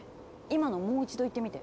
今のもう一度言ってみて。